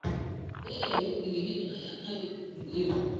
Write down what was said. ee yaliko tengenezwa na ya na kununuliwa